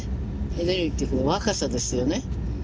エネルギーっていうか若さですよね。